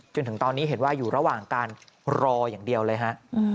จนถึงตอนนี้เห็นว่าอยู่ระหว่างการรออย่างเดียวเลยฮะ